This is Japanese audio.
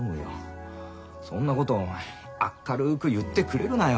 そんなことお前あっかるく言ってくれるなよ。